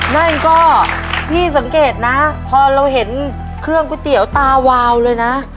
นั่นก็พี่สังเกตนะพอเราเห็นเครื่องก๋วยเตี๋ยวตาวาวเลยนะ